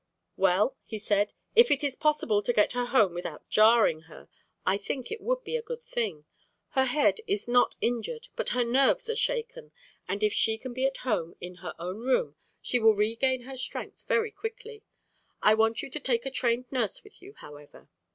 "Well," he said, "if it is possible to get her home without jarring her, I think it would be a good thing. Her head is not injured, but her nerves are shaken, and if she can be at home in her own room she will regain her strength very quickly. I want you to take a trained nurse with you, however."